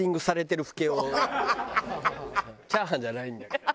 チャーハンじゃないんだから。